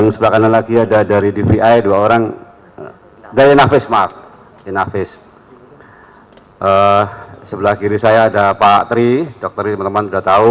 sebelah kiri saya ada pak tri dokter ini teman teman sudah tahu